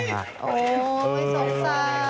โอ้โฮสงสัย